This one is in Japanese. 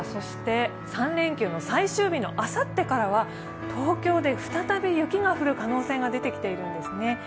３連休の最終日のあさってからは、東京で再び雪が降る可能性が出てきているんですね。